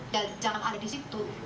jangan ada di situ